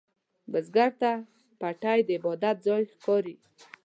بزګر ته پټی د عبادت ځای ښکاري